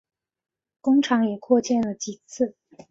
工厂也扩建了几次。